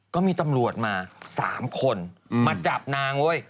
ก็มีตำรวจมา๓คนมาจับนางเว้ย